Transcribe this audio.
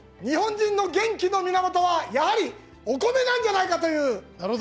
日本人の元気の源はやはりお米なんじゃないかという。